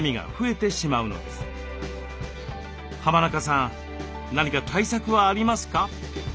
浜中さん何か対策はありますか？